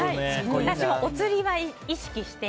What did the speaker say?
私もおつりは意識して。